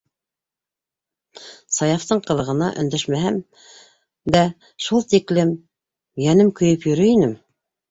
Саяфтың ҡылығына, өндәшмәһәм дә, шу тиктем йәнем көйөп йөрөй инем!